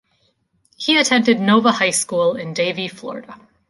He attended Nova High School in Davie, Florida.